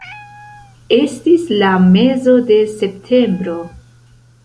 Estis la mezo de septembro.